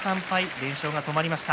連勝は止まりました。